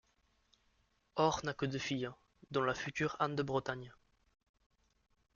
Or n'a que deux filles, dont la future Anne de Bretagne.